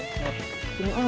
ayo kita lepasin berdua